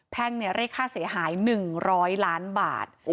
แพ่งเนี่ยเรียกค่าเสียหาย๑๐๐ล้านบาท